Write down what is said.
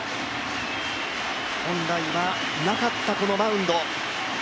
本来はなかった、このマウンド。